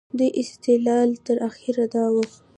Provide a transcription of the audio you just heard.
دوی استدلال تر اخره دا و.